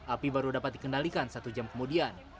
api baru dapat dikendalikan satu jam kemudian